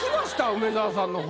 梅沢さんの本。